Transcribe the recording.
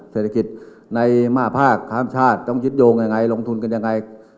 เศรษฐกิจใน๕ภาคข้ามชาติต้องยึดโยงยังไงลงทุนกันยังไง